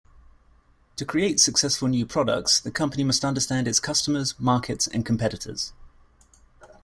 To create successful new products the company must understand its customers, markets and competitors.